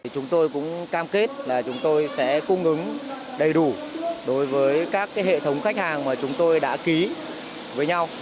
chúng tôi cũng cam kết là chúng tôi sẽ cung ứng đầy đủ đối với các hệ thống khách hàng mà chúng tôi đã ký với nhau